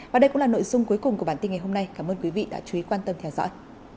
và đây cũng là nội dung cuối cùng của bản tin ngày hôm nay cảm ơn quý vị đã chú ý quan tâm theo dõi